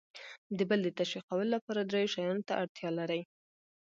د بل د تشویقولو لپاره درې شیانو ته اړتیا لر ئ :